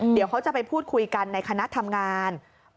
เดี๋ยวเขาจะไปพูดคุยกันในคณะทำงาน